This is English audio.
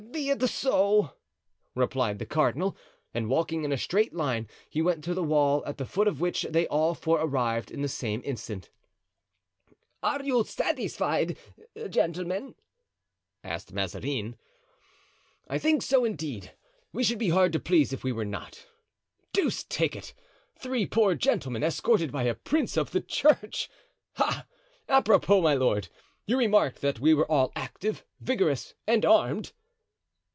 "Be it so," replied the cardinal; and walking in a straight line he went to the wall, at the foot of which they all four arrived at the same instant. "Are you satisfied, gentlemen?" asked Mazarin. "I think so, indeed; we should be hard to please if we were not. Deuce take it! three poor gentlemen escorted by a prince of the church! Ah! apropos, my lord! you remarked that we were all active, vigorous and armed."